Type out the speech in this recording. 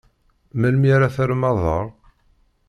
Melmi ara terrem aḍar?